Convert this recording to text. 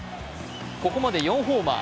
ここまで４ホーマー。